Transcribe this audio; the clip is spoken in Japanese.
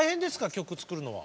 曲作るのは。